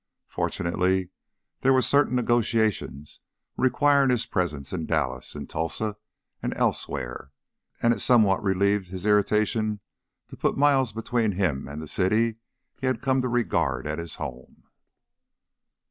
Fortunately, there were certain negotiations requiring his presence in Dallas, in Tulsa, and elsewhere, and it some what relieved his irritation to put miles between him and the city he had come to regard as his home.